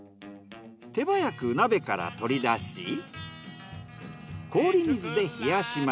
手早く鍋から取り出し氷水で冷やします。